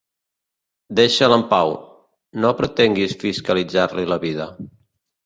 Deixa'l en pau: no pretenguis fiscalitzar-li la vida.